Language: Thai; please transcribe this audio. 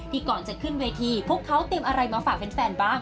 ก่อนจะขึ้นเวทีพวกเขาเตรียมอะไรมาฝากแฟนบ้าง